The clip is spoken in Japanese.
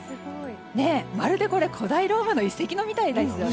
まるで古代ローマの遺跡みたいですよね。